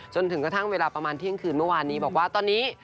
จนถึงกระทั่งเวลาประมาณเที่ยงคืนเมื่อวานนี้บอกว่าตอนนี้